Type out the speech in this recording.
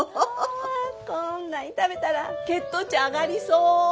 こんなに食べたら血糖値上がりそう。